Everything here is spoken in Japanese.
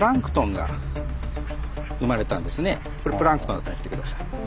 これプランクトンだと思って下さい。